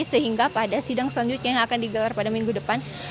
sehingga pada sidang selanjutnya yang akan digelar pada minggu depan